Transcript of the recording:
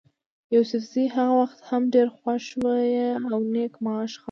يوسفزي هغه وخت هم ډېر خوش خویه او نېک معاش خلک ول.